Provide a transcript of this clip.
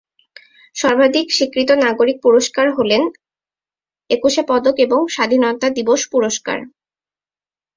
সর্বাধিক স্বীকৃত নাগরিক পুরস্কার হলেন একুশে পদক এবং স্বাধীনতা দিবস পুরস্কার।